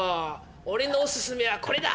俺のお薦めはこれだ！